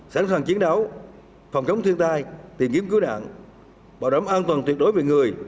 sẵn sàng chiến đấu phòng chống thiên tai tìm kiếm cứu nạn bảo đảm an toàn tuyệt đối về người